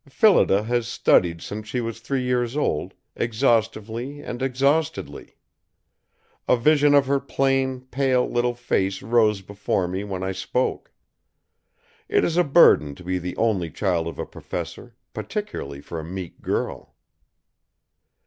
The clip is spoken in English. Phillida has studied since she was three years old, exhaustively and exhaustedly. A vision of her plain, pale little face rose before me when I spoke. It is a burden to be the only child of a professor, particularly for a meek girl.